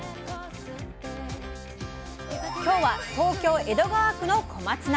今日は東京江戸川区の小松菜。